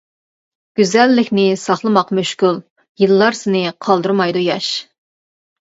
گۈزەللىكنى ساقلىماق مۈشكۈل، يىللار سېنى قالدۇرمايدۇ ياش.